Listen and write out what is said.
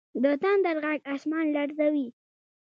د تندر ږغ اسمان لړزوي.